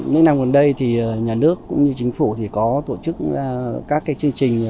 nên năm gần đây thì nhà nước cũng như chính phủ thì có tổ chức các cái chương trình